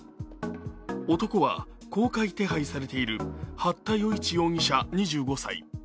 男は公開手配されている八田與一容疑者２５歳。